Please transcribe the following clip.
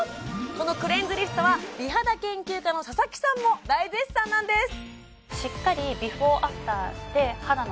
このクレンズリフトは美肌研究家の佐々木さんも大絶賛なんです